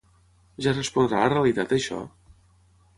Ja respondrà a la realitat, això?